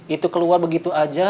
itu keluar begitu aja